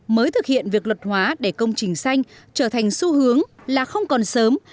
mới thực hiện việc luật hóa để công trình xanh trở thành xu hướng là không còn sớm